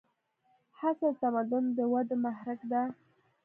هڅه د تمدن د ودې محرک ده.